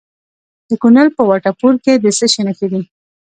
د کونړ په وټه پور کې د څه شي نښې دي؟